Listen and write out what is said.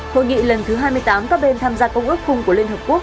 hội nghị lần thứ hai mươi tám các bên tham gia công ước khung của liên hợp quốc